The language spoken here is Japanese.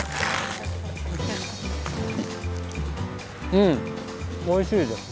うんおいしいです。